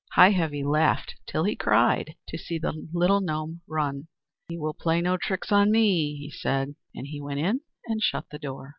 Heigh Heavy laughed till he cried to see the little gnome run. "He will play no tricks on me!" said he. And he went in and shut the door.